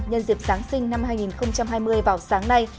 nhân dịp giáng sinh năm hai nghìn hai mươi vào sáng nay